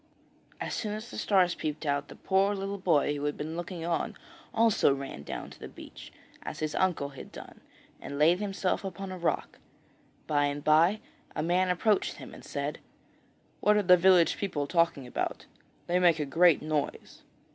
As soon as the stars peeped out the poor little boy who had been looking on also ran down to the beach, as his uncle had done, and laid himself upon a rock. By and bye a man approached him and said: 'What are the village people talking about? They make a great noise!'